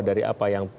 dari apa yang